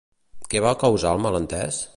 Què va causar el malentès?